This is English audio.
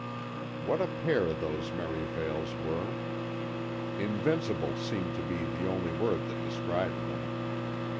What a pair those Merivales were! Invincible seemed to be the only word that described them.